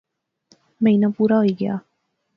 مہینہ پورا ہوئی گیا